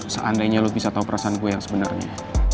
seandainya lo bisa tau perasaan gue yang sebenernya